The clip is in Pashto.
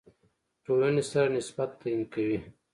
ټولنې سره نسبت تعیین کوي.